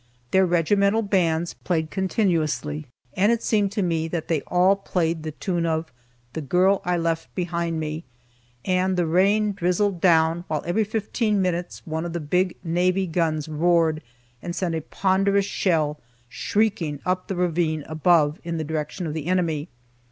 Their regimental bands played continuously and it seemed to me that they all played the tune of "The Girl I Left Behind Me." And the rain drizzled down, while every fifteen minutes one of the big navy guns roared and sent a ponderous shell shrieking up the ravine above in the direction of the enemy.